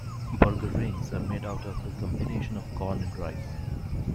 Burger Rings are made out of a combination of corn and rice.